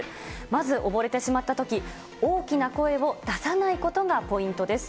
まず溺れてしまったとき、大きな声を出さないことがポイントです。